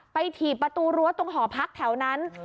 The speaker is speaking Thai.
ถีบประตูรั้วตรงหอพักแถวนั้น